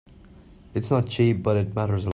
It's not cheap, but it matters a lot.